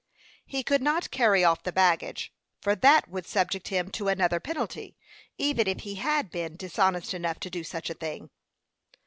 He could not carry off the baggage, for that would subject him to another penalty, even if he had been dishonest enough to do such a thing.